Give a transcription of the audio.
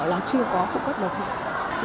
là chưa có phụ cấp độc hại